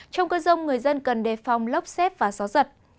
trong cơn rông người dân cần đề phòng lốc xét và gió giật